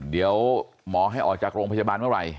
เดี๋ยวหมอให้ออกจากโรงพยาบาลเมื่อไหร่